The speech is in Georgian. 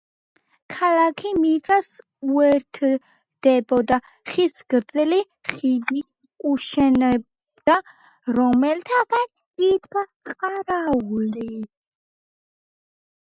ქალაქი მიწას უერთდებოდა ხის გრძელი ხიდით, შენობიდან, რომელთანაც იდგა ყარაული.